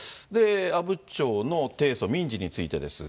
阿武町の提訴、民事についてです